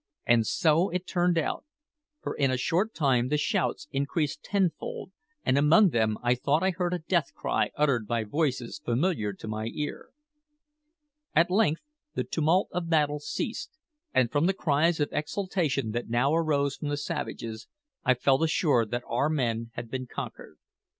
And so it turned out; for in a short time the shouts increased tenfold, and among them I thought I heard a death cry uttered by voices familiar to my ear. At length the tumult of battle ceased, and from the cries of exultation that now arose from the savages, I felt assured that our men had been conquered.